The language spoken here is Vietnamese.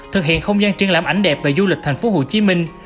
thực hiện không gian triển lãm ảnh đẹp về du lịch thành phố hồ chí minh